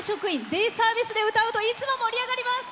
デイサービスで歌うといつも盛り上がります。